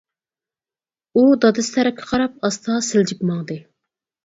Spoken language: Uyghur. ئۇ دادىسى تەرەپكە قاراپ ئاستا سىلجىپ ماڭدى.